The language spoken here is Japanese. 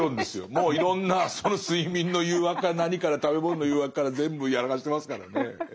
もういろんな睡眠の誘惑から何から食べ物の誘惑から全部やらかしてますからねええ。